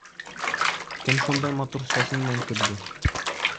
— Кем шундай матур сәсеңдән көлдө?